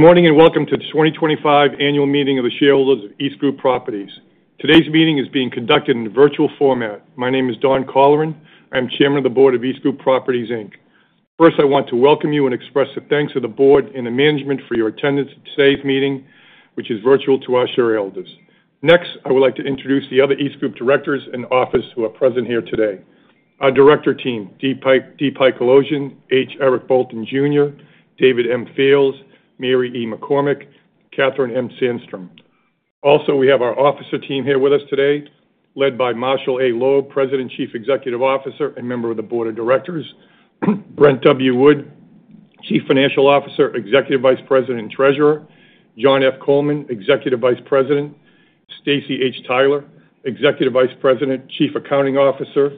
Good morning and welcome to the 2025 annual meeting of the shareholders of EastGroup Properties. Today's meeting is being conducted in a virtual format. My name is Don Colleran. I am chairman of the board of EastGroup Properties. First, I want to welcome you and express the thanks to the board and the management for your attendance at today's meeting, which is virtual to us shareholders. Next, I would like to introduce the other EastGroup directors and officers who are present here today: our director team, D. Pike Aloian, H. Eric Bolton Jr., David M. Fields, Mary E. McCormick, and Katherine M. Sandstrom. Also, we have our officer team here with us today, led by Marshall A. Loeb, president, chief executive officer, and member of the board of directors; Brent W. Wood, chief financial officer, executive vice president and treasurer; John F. Coleman, executive vice president; Staci H. Tyler, Executive Vice President, Chief Accounting Officer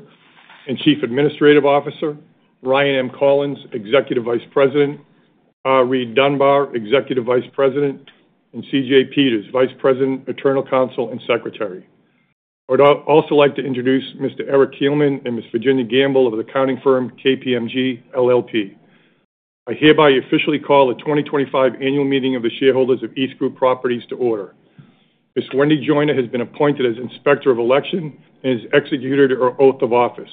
and Chief Administrative Officer; Ryan M. Collins, Executive Vice President; R. Reid Dunbar, Executive Vice President; and C.J. Peters, Vice President, Internal Counsel and Secretary. I would also like to introduce Mr. Eric Keelman and Ms. Virginia Gamble of the accounting firm, KPMG LLP. I hereby officially call the 2025 annual meeting of the shareholders of EastGroup Properties to order. Ms. Wendy Joyner has been appointed as Inspector of Election and has executed her oath of office.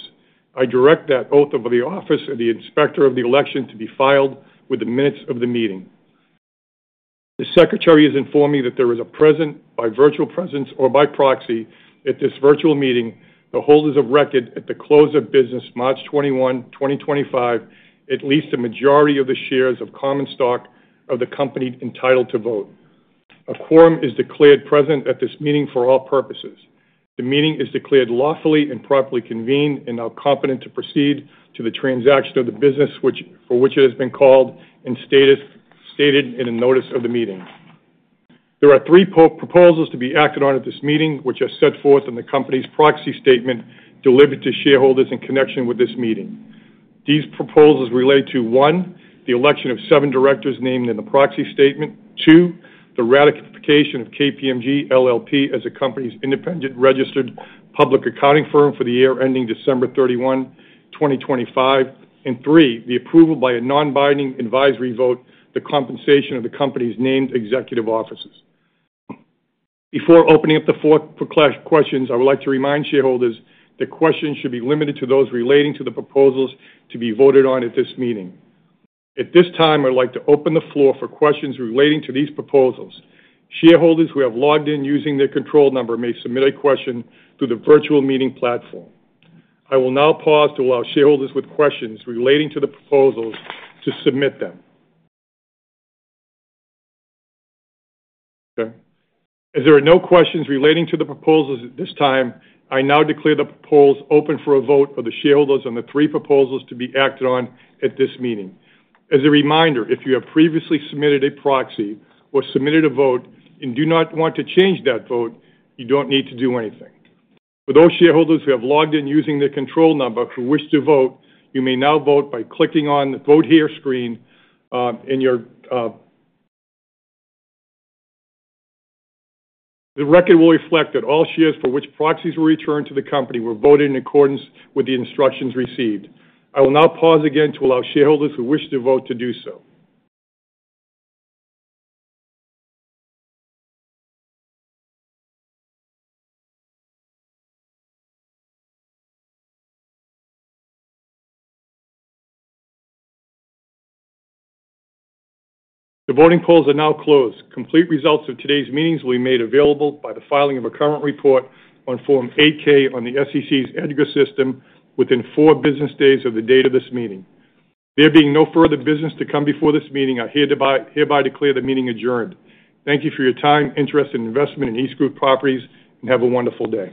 I direct that oath of the office of the Inspector of Election to be filed with the minutes of the meeting. The secretary has informed me that there is a present, by virtual presence or by proxy, at this virtual meeting, the holders of record at the close of business, March 21, 2025, at least a majority of the shares of common stock of the company entitled to vote. A quorum is declared present at this meeting for all purposes. The meeting is declared lawfully and properly convened and now competent to proceed to the transaction of the business for which it has been called and stated in the notice of the meeting. There are three proposals to be acted on at this meeting, which are set forth in the company's proxy statement delivered to shareholders in connection with this meeting. These proposals relate to: one, the election of seven directors named in the proxy statement; two, the ratification of KPMG LLP as the company's independent registered public accounting firm for the year ending December 31, 2025; and three, the approval by a non-binding advisory vote the compensation of the company's named executive officers. Before opening up the floor for questions, I would like to remind shareholders that questions should be limited to those relating to the proposals to be voted on at this meeting. At this time, I would like to open the floor for questions relating to these proposals. Shareholders who have logged in using their control number may submit a question through the virtual meeting platform. I will now pause to allow shareholders with questions relating to the proposals to submit them. Okay. As there are no questions relating to the proposals at this time, I now declare the proposals open for a vote of the shareholders on the three proposals to be acted on at this meeting. As a reminder, if you have previously submitted a proxy or submitted a vote and do not want to change that vote, you do not need to do anything. For those shareholders who have logged in using their control number who wish to vote, you may now vote by clicking on the Vote Here screen and your record will reflect that all shares for which proxies were returned to the company were voted in accordance with the instructions received. I will now pause again to allow shareholders who wish to vote to do so. The voting polls are now closed. Complete results of today's meetings will be made available by the filing of a current report on Form 8-K on the SEC's EDGAR system within four business days of the date of this meeting. There being no further business to come before this meeting, I hereby declare the meeting adjourned. Thank you for your time, interest, and investment in EastGroup Properties, and have a wonderful day.